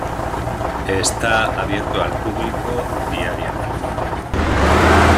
Está abierto al público diariamente.